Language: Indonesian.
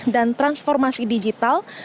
dan transformasi digital